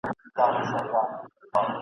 توري د پنځو زرو کلونو زنګ وهلي دي !.